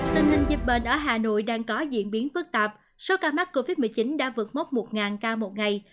tình hình dịch bệnh ở hà nội đang có diễn biến phức tạp số ca mắc covid một mươi chín đã vượt mốc một ca một ngày